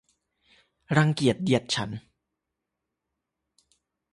รังเกียจเดียดฉันท์